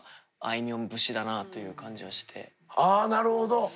あなるほど。